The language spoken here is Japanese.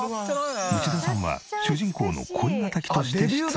内田さんは主人公の恋敵として出演。